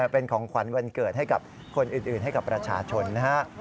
เป็นของขวัญวันเกิดให้กับคนอื่นให้กับประชาชนนะฮะ